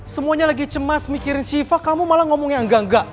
semuanya lagi cemas mikirin siva kamu malah ngomong yang enggak enggak